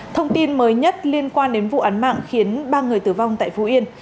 thông tin mới nhất liên quan đến vụ án mạng khiến ba người tử vong tại phú yên